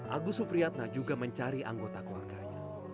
agus supriyatna juga mencari anggota keluarganya